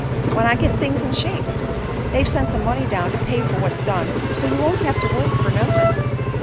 "When I git things in shape. They've sent some money down to pay fer what's done, so you won't have to work fer nuthin'."